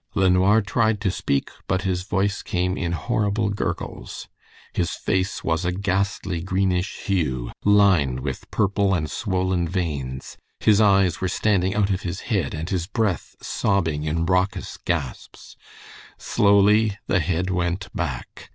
LeNoir tried to speak, but his voice came in horrible gurgles. His face was a ghastly greenish hue, lined with purple and swollen veins, his eyes were standing out of his head, and his breath sobbing in raucous gasps. Slowly the head went back.